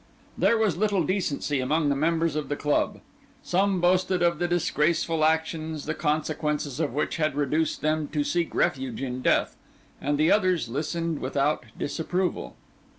There was little decency among the members of the club. Some boasted of the disgraceful actions, the consequences of which had reduced them to seek refuge in death; and the others listened without disapproval.